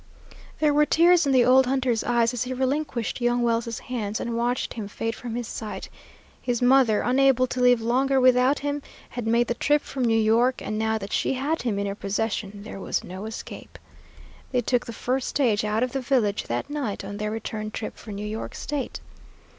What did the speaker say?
There were tears in the old hunter's eyes as he relinquished young Wells's hands and watched him fade from his sight. His mother, unable to live longer without him, had made the trip from New York, and now that she had him in her possession there was no escape. They took the first stage out of the village that night on their return trip for New York State.